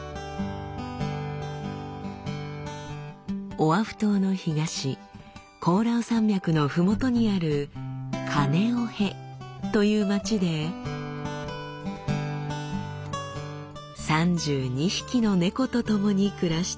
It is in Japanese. オアフ島の東コオラウ山脈のふもとにあるカネオヘという町で３２匹の猫とともに暮らしています。